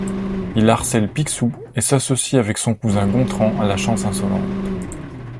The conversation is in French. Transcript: Il harcèle Picsou, et s'associe avec son cousin Gontran à la chance insolente.